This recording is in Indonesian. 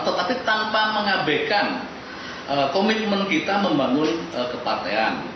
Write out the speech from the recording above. tetapi tanpa mengabaikan komitmen kita membangun kepartean